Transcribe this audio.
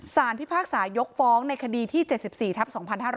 พิพากษายกฟ้องในคดีที่๗๔ทับ๒๕๕๙